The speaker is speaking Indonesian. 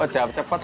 oh jawab cepat